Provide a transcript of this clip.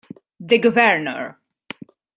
The Governor